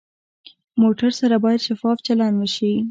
موټر سره باید شفاف چلند وشي.